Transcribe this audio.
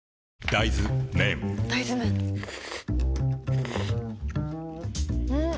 大豆麺ん？